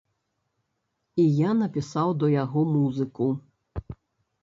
І я напісаў да яго музыку.